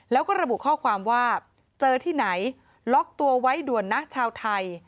แล้วก็ระบุข้อความว่าเจอที่ไหนล็อกตัวไว้ด่วนนะชาวไทย